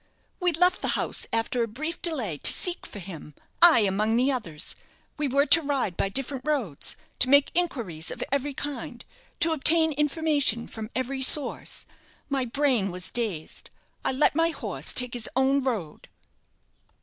We left the house, after a brief delay, to seek for him; I among the others. We were to ride by different roads; to make inquiries of every kind; to obtain information from every source. My brain was dazed. I let my horse take his own road."